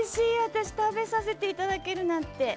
私食べさせていただけるなんて。